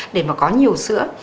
để có nhiều sữa